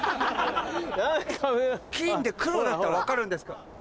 金で黒だったら分かるんですけど。